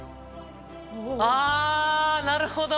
あなるほど！